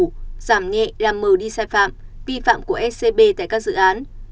giảm nhẹ làm mờ đi sai phạm vi phạm của scb tại các dự án